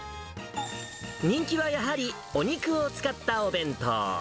人気はやはりお肉を使ったお弁当。